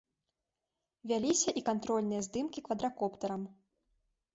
Вяліся і кантрольныя здымкі квадракоптэрам.